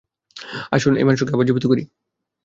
আসুন এই মানুষটাকে আবার জীবিত করি।